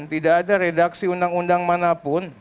tidak ada redaksi undang undang manapun